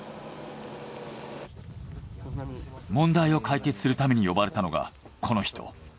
問題を解決するために呼ばれたのがこの人。